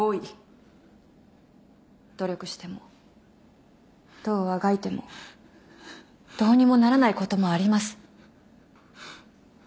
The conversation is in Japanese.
努力してもどうあがいてもどうにもならないこともあります。